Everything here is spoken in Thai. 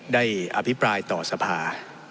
อภิปรายต่อสภา